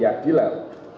dan rukyat hilal